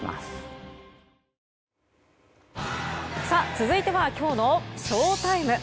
続いてはきょうのＳＨＯＴＩＭＥ。